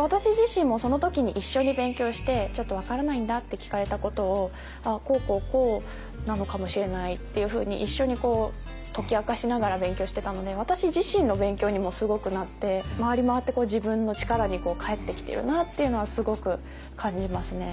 私自身もその時に一緒に勉強してちょっと分からないんだって聞かれたことをこうこうこうなのかもしれないっていうふうに一緒に解き明かしながら勉強してたので私自身の勉強にもすごくなって回り回って自分の力に返ってきているなっていうのはすごく感じますね。